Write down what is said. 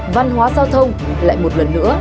văn hóa giao thông lại một lần nữa